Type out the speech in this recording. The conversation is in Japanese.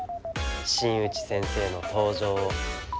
新内先生の登場を。